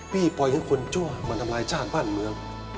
ปล่อยให้คนชั่วมาทำลายชาติบ้านเมือง